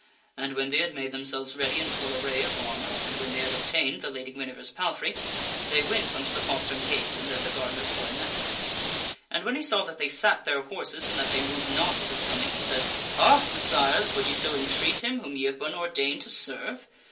And when they had made themselves ready in full array of armor, and when they had obtained the Lady Guinevere's palfrey, they went unto the postern gate and there the gardener's boy met them. And when he saw that they sat their horses and that they moved not at his coming, he said :" Ha, Messires ! would ye so entreat him whom ye KING ARTHUR DECLARES HIMSELF 121 have been ordained to serve